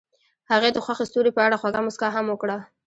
هغې د خوښ ستوري په اړه خوږه موسکا هم وکړه.